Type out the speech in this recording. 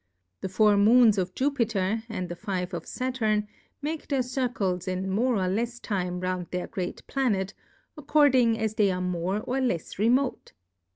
The four Moons of Jufiter^ and the five of Saturn^ make their Circles in more or lefs Time round their great Planet, according as they are more or lefs remote.